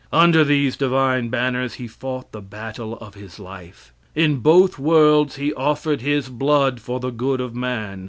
Under these divine banners he fought the battle of his life. In both worlds he offered his blood for the good of man.